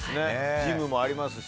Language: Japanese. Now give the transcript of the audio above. ジムもありますし。